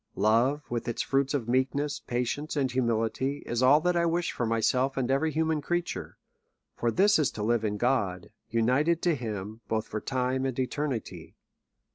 Love, with its fruits of meekness, pa tience, and humility, is all that I wish for myself and every human creature; for this is to live in God, united to him, both for time and eternity.